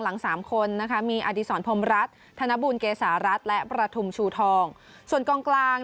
หลังสามคนนะคะมีอดีศรพรมรัฐธนบุญเกษารัฐและประทุมชูทองส่วนกองกลาง